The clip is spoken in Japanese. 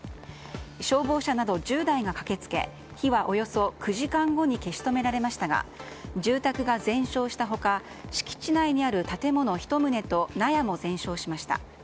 消防車など１０台が駆けつけ火はおよそ９時間後に消し止められましたが住宅が全焼した他敷地内にある建物１棟と納屋も全焼しました。